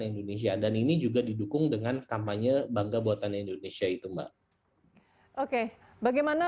indonesia dan ini juga didukung dengan kampanye bangga buatan indonesia itu mbak oke bagaimana